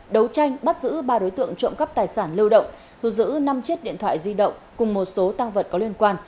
đấu tranh bắt giữ ba đối tượng trộm cắp tài sản lưu động thu giữ năm chiếc điện thoại di động cùng một số tăng vật có liên quan